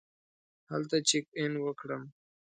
هلته چېک اېن وکړم.